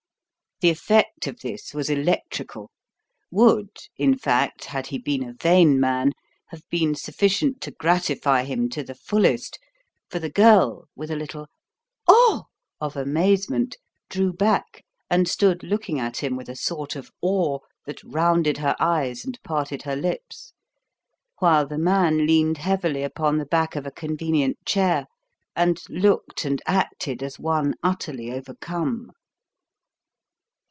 The effect of this was electrical; would, in fact, had he been a vain man, have been sufficient to gratify him to the fullest, for the girl, with a little "Oh!" of amazement, drew back and stood looking at him with a sort of awe that rounded her eyes and parted her lips, while the man leaned heavily upon the back of a convenient chair and looked and acted as one utterly overcome.